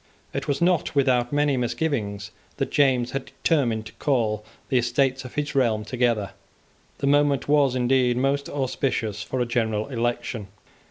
It was not without many misgivings that James had determined to call the Estates of his realm together. The moment was, indeed most auspicious for a general election.